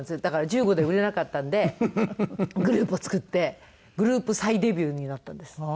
だから１５で売れなかったんでグループを作ってグループ再デビューになったんです。